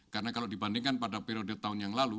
karena kalau dibandingkan pada periode tahun yang lalu